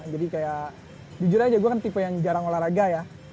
jadi kayak jujur aja gue kan tipe yang jarang olahraga ya